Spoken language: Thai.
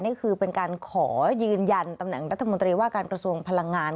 นี่คือเป็นการขอยืนยันตำแหน่งรัฐมนตรีว่าการกระทรวงพลังงาน